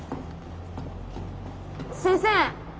先生！